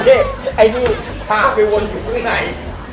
เฮ้ยไอ้หนูท่าไปวนอยู่ทางไหน